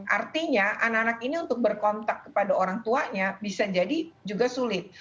artinya anak anak ini untuk berkontak kepada orang tuanya bisa jadi juga sulit